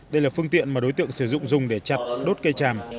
đây là phương tiện mà đối tượng sử dụng dùng để chặt đốt cây tràm